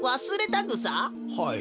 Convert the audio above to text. はい。